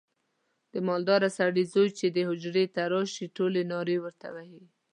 د مالداره سړي زوی چې حجرې ته راشي ټول نارې ورته وهي.